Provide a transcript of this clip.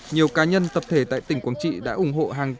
nhiều cá nhân tập thể tại tỉnh quảng trị đã ủng hộ hàng trăm